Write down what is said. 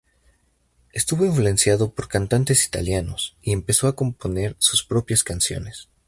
Estuvo influenciado por cantantes italianos, y empezó a componer sus propias canciones.